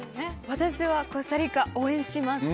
私はコスタリカを応援します。